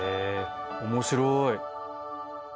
面白い。